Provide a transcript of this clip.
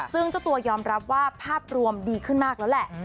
ซึ่งเจ้าตัวยอมรับว่าภาพรวมดีขึ้นมากแล้วแหละ